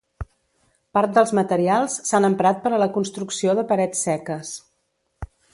Part dels materials s'han emprat per a la construcció de parets seques.